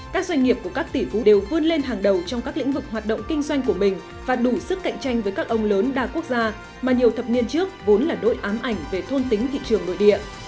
các doanh nghiệp của các tỷ phú đều vươn lên hàng đầu trong các lĩnh vực hoạt động kinh doanh của mình và đủ sức cạnh tranh với các ông lớn đa quốc gia mà nhiều thập niên trước vốn là nỗi ám ảnh về thôn tính thị trường nội địa